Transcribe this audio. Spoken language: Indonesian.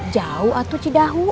jauh cik dahu